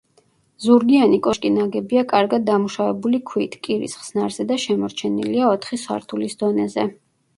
ზურგიანი კოშკი ნაგებია კარგად დამუშავებული ქვით, კირის ხსნარზე და შემორჩენილია ოთხი სართულის დონეზე.